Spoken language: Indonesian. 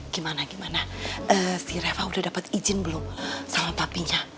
gimana gimana si reva udah dapat izin belum sama tapinya